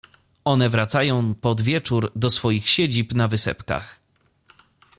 - One wracają pod wieczór do swoich siedzib na wysepkach.